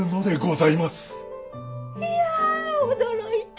いや驚いた！